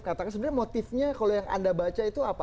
katakan sebenarnya motifnya kalau yang anda baca itu apa